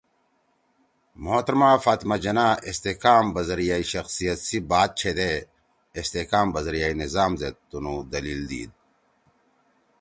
محترمہ فاطمہ جناح استحکام بذریعہ شخصیت سی بات چھیدے استحکام بذریعہ نظام زید تنُو دلیل دیِد